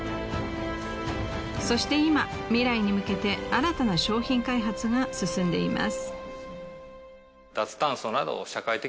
そして今未来に向けて新たな商品開発が進んでいます。